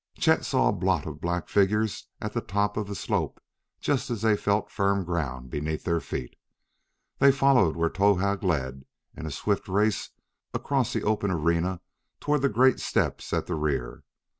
Chet saw a blot of black figures at the top of the slope just as they felt firm ground beneath their feet. They followed where Towahg led in a swift race across the open arena toward the great steps at the rear.